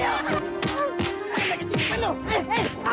eh eh aduh